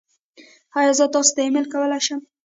ایا زه تاسو ته ایمیل کولی شم؟